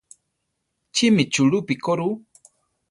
Chimi chulúpi koru?